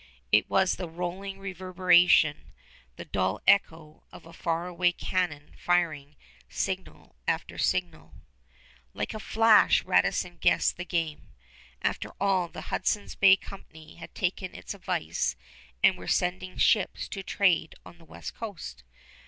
It was the rolling reverberation, the dull echo of a far away cannon firing signal after signal. Like a flash Radisson guessed the game. After all, the Hudson's Bay Company had taken his advice and were sending ships to trade on the west coast.